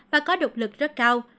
và có đột lực rất cao